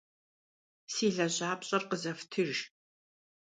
Си лэжьапщӏэр къызэфтыж!